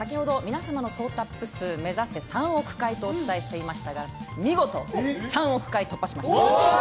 先ほど、皆さまの総タップ数目指せ３億回とお伝えしましたが見事３億回、突破しました。